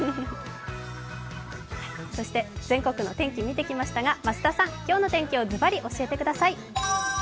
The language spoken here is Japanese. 全国の天気を見てきましたが増田さん、今日の天気をズバリ教えてください。